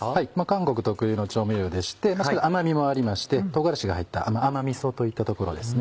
韓国特有の調味料でして甘みもありまして唐辛子が入った甘味噌といったところです。